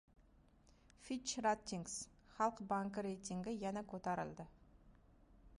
Fitch Ratings: Xalq banki reytingi yana ko‘tarildi!